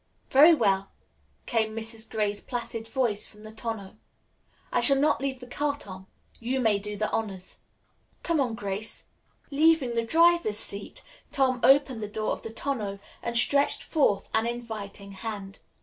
"Very well," came Mrs. Gray's placid voice from the tonneau. "I shall not leave the car, Tom. You may do the honors." "Come on, Grace." Leaving the driver's seat, Tom opened the door of the tonneau and stretched forth an inviting hand.